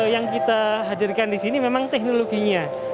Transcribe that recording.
yang kita hadirkan di sini memang teknologinya